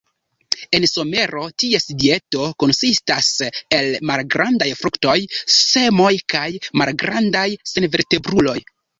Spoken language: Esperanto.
En somero ties dieto konsistas el malgrandaj fruktoj, semoj kaj malgrandaj senvertebruloj.